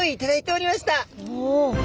お。